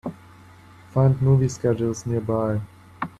Find movie schedules nearby.